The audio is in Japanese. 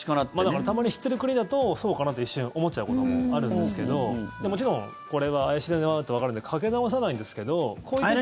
だからたまに知ってる国だとそうかなって、一瞬思っちゃうこともあるんですけどもちろんこれは怪しい電話だとわかるんでかけ直さないんですけどこういう時に。